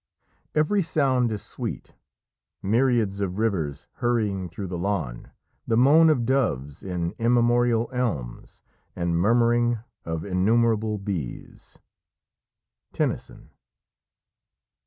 Every sound is sweet; Myriads of rivers hurrying thro' the lawn, The moan of doves in immemorial elms, And murmuring of innumerable bees." Tennyson.